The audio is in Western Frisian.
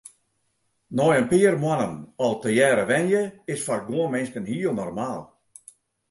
Nei in pear moannen al tegearre wenje is foar guon minsken hiel normaal.